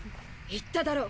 言っただろ。